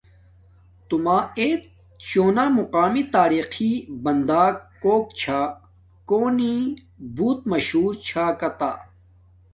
تو ایت شونا مقامی تاریقی بندک کوک چھا کونی بوت مشہوا چھا کا تہ